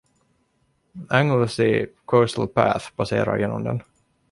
Anglesey Coastal Path passerar genom den.